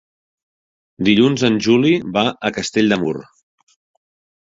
Dilluns en Juli va a Castell de Mur.